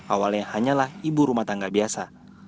awalnya hanyalah ibu rumah tangga biasa